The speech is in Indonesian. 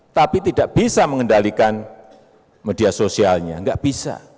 tapi tidak bisa mengendalikan media sosialnya nggak bisa